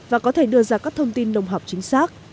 và có thể đưa ra các thông tin đồng học chính xác